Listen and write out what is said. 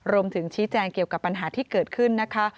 รวมถึงชี้แจงเกี่ยวกับปัญหาที่เกิดขึ้นนะคะ